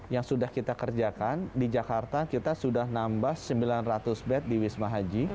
yang sudah kita kerjakan di jakarta kita sudah nambah sembilan ratus bed di wisma haji